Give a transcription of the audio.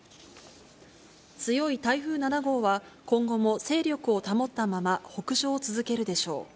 強い台風７号は、今後も勢力を保ったまま北上を続けるでしょう。